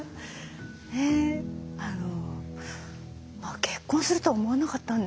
あの結婚するとは思わなかったんで。